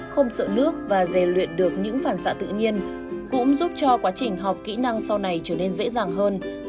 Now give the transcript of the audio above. không sợ nước và dè luyện được những phản xạ tự nhiên cũng giúp cho quá trình học kỹ năng sau này trở nên dễ dàng hơn